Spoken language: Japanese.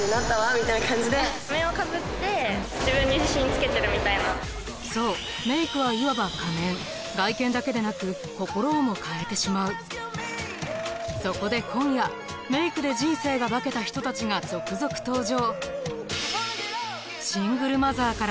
みたいな感じでみたいなそうメイクはいわば仮面外見だけでなく心をも変えてしまうそこで今夜人たちが続々登場